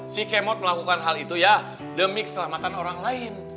si kemot melakukan hal itu ya demi keselamatan orang lain